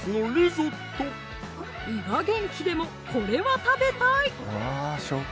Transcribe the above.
胃が元気でもこれは食べたい！